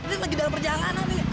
ini lagi dalam perjalanan nih